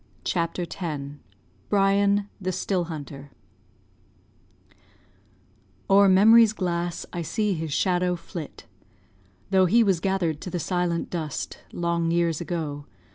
CHAPTER X BRIAN, THE STILL HUNTER "O'er memory's glass I see his shadow flit, Though he was gathered to the silent dust Long years ago.